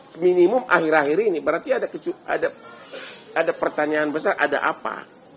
seminimum akhir akhir ini berarti ada pertanyaan besar ada apa